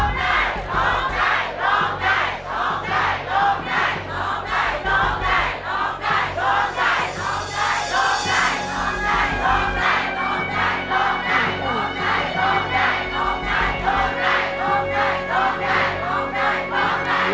โทษให้โทษให้โทษให้โทษให้